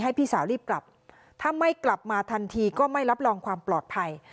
พี่สาวรีบกลับถ้าไม่กลับมาทันทีก็ไม่รับรองความปลอดภัย